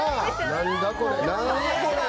何だこれ。